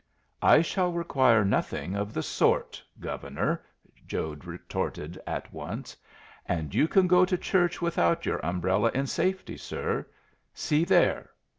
"I shall require nothing of the sort, Governor," Jode retorted at once. "And you can go to church without your umbrella in safety, sir. See there."